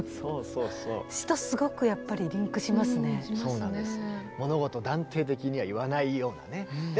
そうなんです。